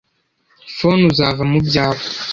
phone uzava mubyawe.